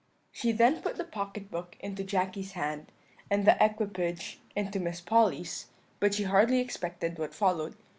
"She then put the pocket book into Jacky's hand, and the equipage into Miss Polly's; but she hardly expected what followed.